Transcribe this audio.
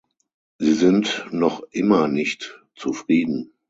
Sie sind noch immer nicht zufrieden.